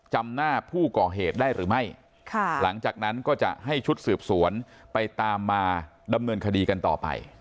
จำหน้าผู้ก่อเหตุได้หรือไม่หลังจากนั้นก็จะให้ชุดสืบสวนไปตามมาดำเนินคดีกันต่อไป